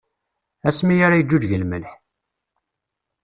Asmi ara yeǧǧuǧǧeg lmelḥ!